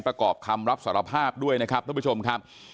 ประกอบคำรับสารภาพด้วยนะครับท่านผู้ชมครับ